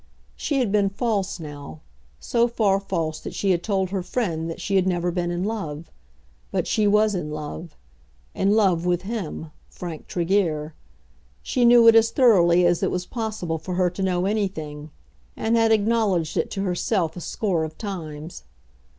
She had been false now; so far false that she had told her friend that she had never been in love. But she was in love; in love with him, Frank Tregear. She knew it as thoroughly as it was possible for her to know anything; and had acknowledged it to herself a score of times.